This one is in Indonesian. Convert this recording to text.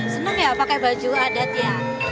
senang ya pakai baju adat ya